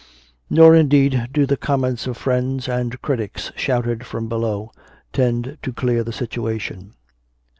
Nor indeed do the comments of friends and critics shouted from below tend to clear the situation.